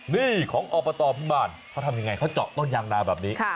นี่ของอบตพิมารเขาทำยังไงเขาเจาะต้นยางนาแบบนี้